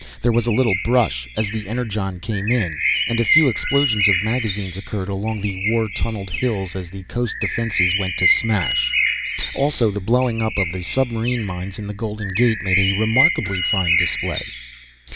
There was a little brush as the Energon came in, and a few explosions of magazines occurred along the war tunnelled hills as the coast defences went to smash. Also, the blowing up of the submarine mines in the Golden Gate made a remarkably fine display.